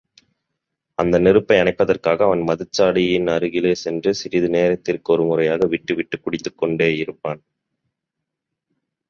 அந்த நெருப்பை அணைப்பதற்காக அவன் மதுச்சாடியின் அருகிலே சென்று சிறிது நேரத்திற்கொருமுறையாக விட்டுவிட்டுக் குடித்துகொண்டேயிருப்பான்.